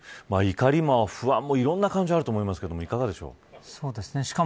怒りや不安やいろんな感情があると思いますがいかがですか。